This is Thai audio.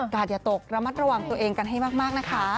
อย่าตกระมัดระวังตัวเองกันให้มากนะคะ